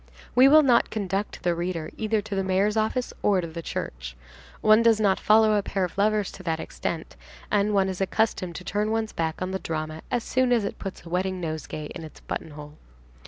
We will not conduct the reader either to the mayor's office or to the church. One does not follow a pair of lovers to that extent, and one is accustomed to turn one's back on the drama as soon as it puts a wedding nosegay in its buttonhole.